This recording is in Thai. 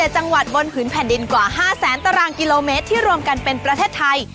๗จังหวัดบนผืนแผ่นดินกว่า๕แสนตารางกิโลเมตรที่รวมกันเป็นประเทศไทย